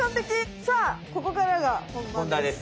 さあここからがほんばんです。